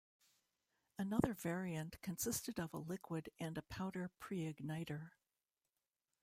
Another variant consisted of a liquid and a powder preigniter.